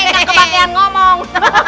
tak kebakian ngomong